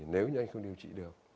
nếu như anh không điều trị được